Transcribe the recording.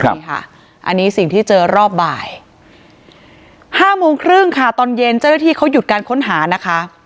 นี่ค่ะอันนี้สิ่งที่เจอรอบบ่าย๕โมงครึ่งค่ะตอนเย็นเจ้าหน้าที่เขาหยุดการค้นหานะคะ